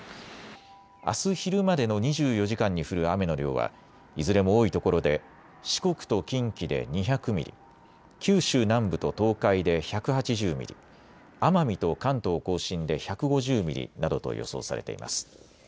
あす昼までの２４時間に降る雨の量はいずれも多いところで四国と近畿で２００ミリ、九州南部と東海で１８０ミリ、奄美と関東甲信で１５０ミリなどと予想されています。